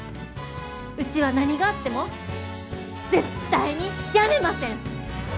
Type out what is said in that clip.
うちは何があっても絶対に辞めません！